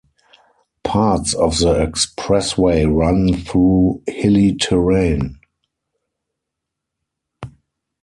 Parts of the expressway run through hilly terrain.